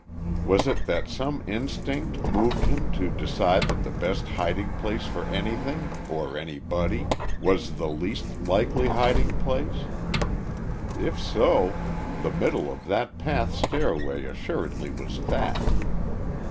Was it that some instinct moved him to decide that the best hiding place for anything or anybody was the least likely hiding place? If so, the middle of that path stairway assuredly was that.